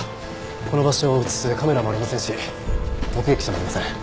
この場所を映すカメラもありませんし目撃者もいません。